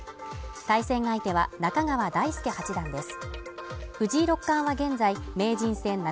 対戦相手は中川大輔八段です。